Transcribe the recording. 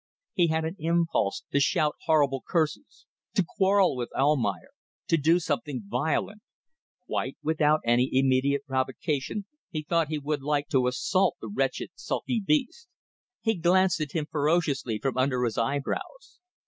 He had an impulse to shout horrible curses, to quarrel with Almayer, to do something violent. Quite without any immediate provocation he thought he would like to assault the wretched, sulky beast. He glanced at him ferociously from under his eyebrows.